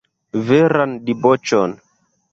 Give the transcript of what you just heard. Veran diboĉon!